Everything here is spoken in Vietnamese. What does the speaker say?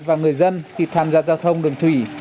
và người dân khi tham gia giao thông đường thủy